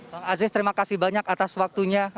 bang aziz terima kasih banyak atas waktunya